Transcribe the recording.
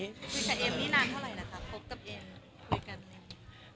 คุยกับเอมนี่นานเท่าไหร่ล่ะครับคบกับเอมคุยกันไหม